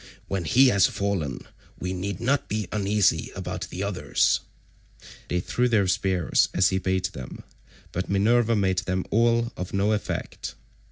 When he has fallen we need not be uneasy about the others." They threw their spears as he bade them, but Minerva made them all of no effect.